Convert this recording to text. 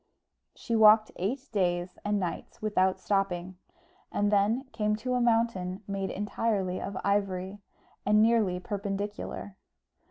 She walked eight days and nights without stopping, and then came to a mountain made entirely of ivory, and nearly perpendicular.